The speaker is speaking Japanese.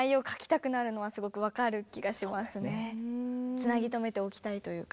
つなぎとめておきたいというか。